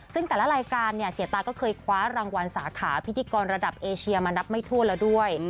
ซึ่งแต่ละรายการเนี่ยเสียตาก็เคยคว้ารางวัลสาขาพิธีกรระดับเอเชียมานับไม่ทั่วแล้วด้วย